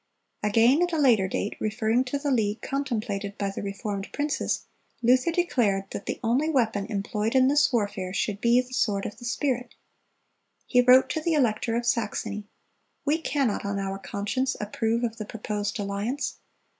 (309) Again, at a later date, referring to the league contemplated by the reformed princes, Luther declared that the only weapon employed in this warfare should be "the sword of the Spirit." He wrote to the elector of Saxony: "We cannot on our conscience approve of the proposed alliance.